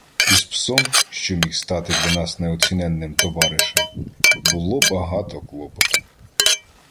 Із псом, що міг стати для нас неоціненним товаришем, було багато клопоту.